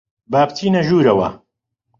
با بچینە ژوورەوە.